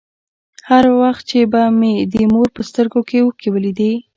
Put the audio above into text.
هر وخت چې به مې د مور په سترگو کښې اوښکې ولېدې.